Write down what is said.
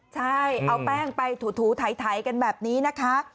ใช่เอาแป้งไปถูไถกันแบบนี้นะคะ